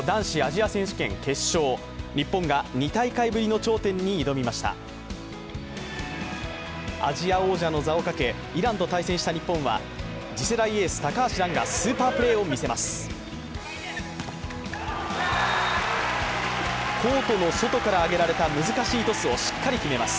アジア王者の座をかけイランと対戦した日本は次世代エース・高橋藍がスーパープレーを見せます。